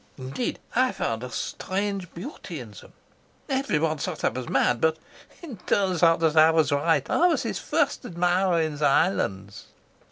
Indeed, I found a strange beauty in them. Everyone thought I was mad, but it turns out that I was right. I was his first admirer in the islands."